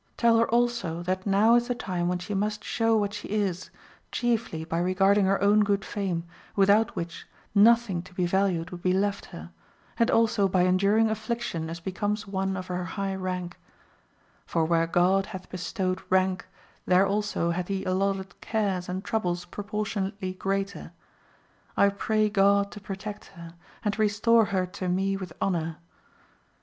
Tell her also, that now is the time when she must show what she is, chiefly by regarding her own good fame, without which nothing to be valued would be left her, and also by enduring affliction as becomes one of her high rank ; Tor where God hath bestowed rank there also hath he allotted cares and troubles proportionately greater. I pray God to protect her, and restore her to me with honour.